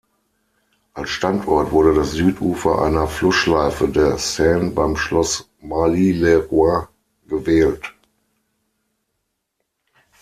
Als Standort wurde das Südufer einer Flussschleife der Seine beim Schloss Marly-le-Roi gewählt.